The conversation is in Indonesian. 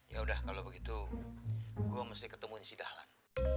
yaudah kalau begitu gue mesti ketemuin si dalan